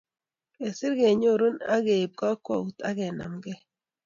Kesir kenyoru eng keip kakwout ak kenemgei